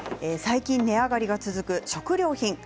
最近、値上がりが続く食料品